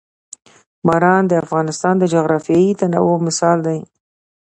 باران د افغانستان د جغرافیوي تنوع مثال دی.